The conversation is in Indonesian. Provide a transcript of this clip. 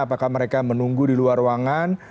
apakah mereka menunggu di luar ruangan